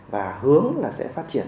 và hướng là sẽ phát triển